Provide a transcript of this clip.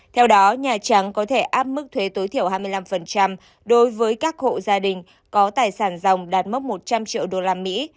theo đó nhà trắng có thể áp mức thuế tối thiểu hai mươi năm đối với các hộ gia đình có tài sản ròng đạt mốc một trăm linh triệu usd